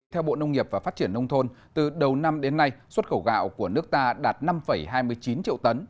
theo bộ nông nghiệp và phát triển nông thôn từ đầu năm đến nay xuất khẩu gạo của nước ta đạt năm hai mươi chín triệu tấn